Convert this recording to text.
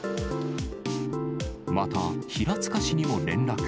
また平塚市にも連絡。